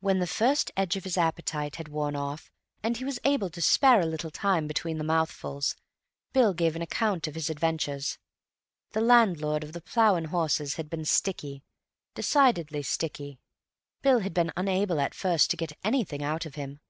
When the first edge of his appetite had worn off, and he was able to spare a little time between the mouthfuls, Bill gave an account of his adventures. The landlord of the "Plough and Horses" had been sticky, decidedly sticky—Bill had been unable at first to get anything out of him.